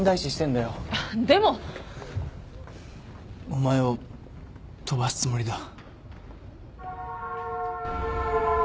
お前を飛ばすつもりだ。